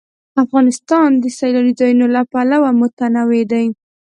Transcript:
افغانستان د سیلانی ځایونه له پلوه متنوع دی.